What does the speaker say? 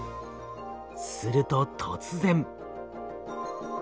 すると突然。